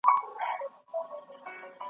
ما د خضر پر چینه مړي لیدلي .